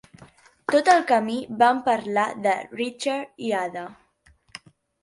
Tot el camí vam parlar de Richard i Ada.